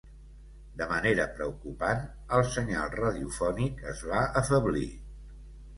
De manera preocupant, el senyal radiofònic es va afeblir.